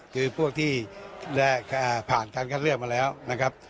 ก็พวกที่ผ่านการคัดเรือมาแล้วนะครับ